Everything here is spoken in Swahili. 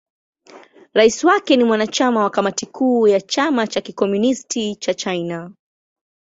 Rais wake ni mwanachama wa Kamati Kuu ya Chama cha Kikomunisti cha China.